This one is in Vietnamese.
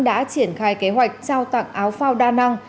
đã triển khai kế hoạch trao tặng áo phao đa năng